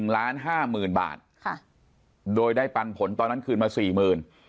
ล้านห้าหมื่นบาทค่ะโดยได้ปันผลตอนนั้นคืนมาสี่หมื่น